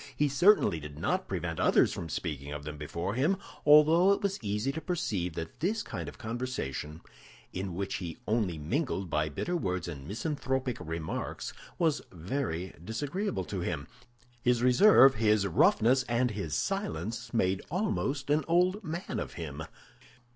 He certainly did not prevent others from speaking of them before him, although it was easy to perceive that this kind of conversation, in which he only mingled by bitter words and misanthropic remarks, was very disagreeable to him. His reserve, his roughness, and his silence made almost an old man of him.